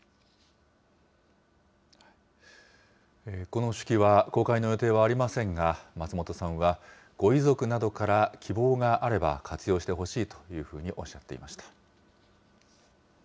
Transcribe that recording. この手記は公開の予定はありませんが、松本さんはご遺族などから希望があれば活用してほしいというふうにおっしゃっていました。